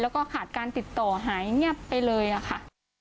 แล้วก็ขาดการติดต่อหายเงียบไปเลยอะค่ะ